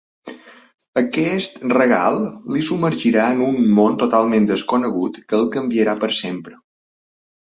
Aquest regal li submergirà en un món totalment desconegut que el canviarà per sempre.